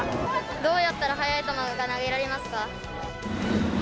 どうやったら速い球が投げられますか？